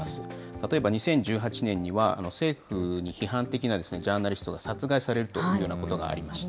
例えば、２０１８年には政府に批判的なジャーナリストが殺害されるというようなことがありました。